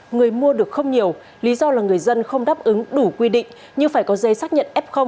người mua được không nhiều lý do là người dân không đáp ứng đủ quy định như phải có dây xác nhận f